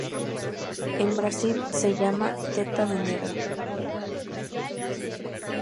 En el Brasil se llama Teta-de-negra.